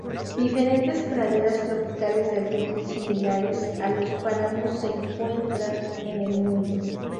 Diferentes praderas tropicales de altitud similares a los páramos se encuentran en el mundo.